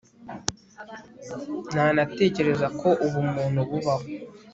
Ntanatekereza ko ubumuntu bubaho